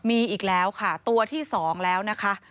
มีอีกแล้วค่ะตัวที่๒แล้วนะคะ